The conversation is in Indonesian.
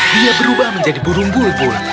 dia berubah menjadi burung bul bul